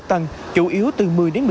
tăng chủ yếu từ một mươi một mươi năm